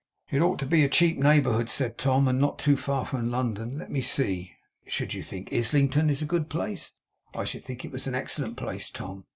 'It ought to be a cheap neighbourhood,' said Tom, 'and not too far from London. Let me see. Should you think Islington a good place?' 'I should think it was an excellent place, Tom.